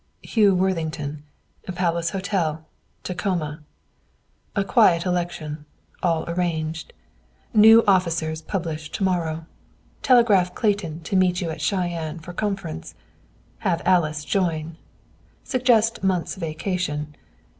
"Hugh Worthington, "Palace Hotel, Tacoma: "A quiet election. All arranged. New officers published to morrow. Telegraph Clayton to meet you at Cheyenne for conference. Have Alice join. Suggest month's vacation.